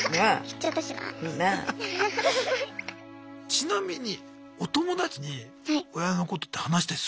ちなみにお友達に親のことって話したりするの？